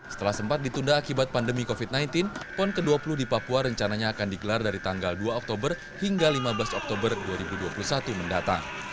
setelah sempat ditunda akibat pandemi covid sembilan belas pon ke dua puluh di papua rencananya akan digelar dari tanggal dua oktober hingga lima belas oktober dua ribu dua puluh satu mendatang